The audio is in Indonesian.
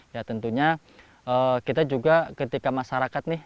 ya tentunya kita juga ketika masyarakat nih